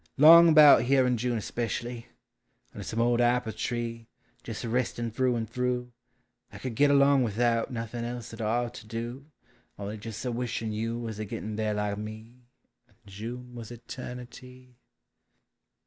— 'long about Here in June especially! — Under some old apple tree, Jes' a restin' through and through, I could git along with out Nothin' else at all to do Only jes' a wishiif von Was a gittin' there like me, And June was eternity!